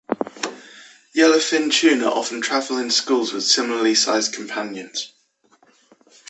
Yellowfin tuna often travel in schools with similarly sized companions.